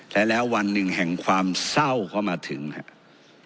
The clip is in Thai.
และแล้ววันหนึ่งแห่งความเศร้าก็มาถึงครับ